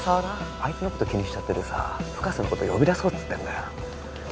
あいつのこと気にしちゃっててさ深瀬のこと呼び出そうっつってんだよ